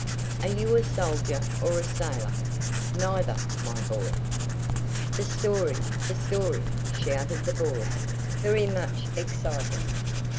"Are you a soldier or a sailor?" "Neither, my boy." "The story! the story!" shouted the boys, very much excited.